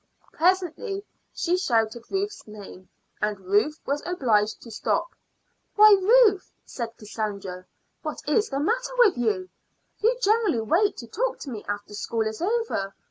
Presently she shouted Ruth's name, and Ruth was obliged to stop. "Why, Ruth," said Cassandra, "what is the matter with you? You generally wait to talk to me after school is over.